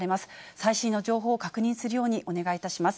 最新の情報を確認するようにお願いいたします。